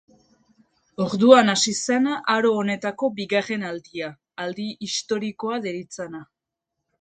Orduan hasi zen aro honetako bigarren aldia, aldi historikoa deritzana.